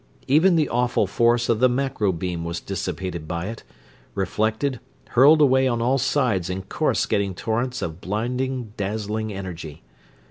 Even the awful force of the macro beam was dissipated by it reflected, hurled away on all sides in coruscating torrents of blinding, dazzling energy.